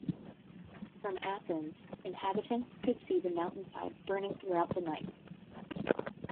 From Athens, inhabitants could see the mountainside burning throughout the night.